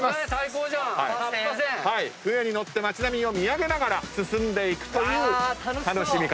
舟に乗って町並みを見上げながら進んでいくという楽しみ方。